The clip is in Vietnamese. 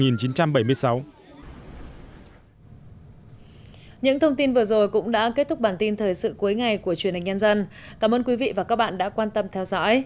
những thông tin vừa rồi cũng đã kết thúc bản tin thời sự cuối ngày của truyền hình nhân dân cảm ơn quý vị và các bạn đã quan tâm theo dõi thân ái chào tạm biệt